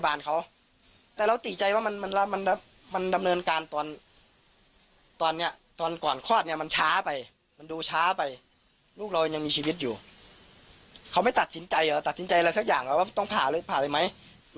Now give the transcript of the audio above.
พาพนักงานสอบสวนสนราชบุรณะพาพนักงานสอบสวนสนราชบุรณะพาพนักงานสอบสวนสนราชบุรณะพาพนักงานสอบสวนสนราชบุรณะพาพนักงานสอบสวนสนราชบุรณะพาพนักงานสอบสวนสนราชบุรณะพาพนักงานสอบสวนสนราชบุรณะพาพนักงานสอบสวนสนราชบุรณะพาพนั